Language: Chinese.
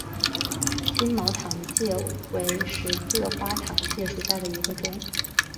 星毛糖芥为十字花科糖芥属下的一个种。